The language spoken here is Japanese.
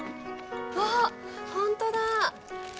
あっほんとだ